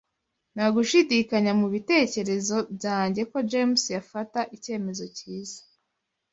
Nta gushidikanya mubitekerezo byanjye ko James yafata icyemezo cyiza.